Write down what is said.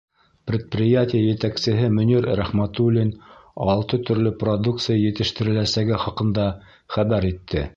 Предприятие етәксеһе Мөнир Рәхмәтуллин алты төрлө продукция етештереләсәге хаҡында хәбәр итте.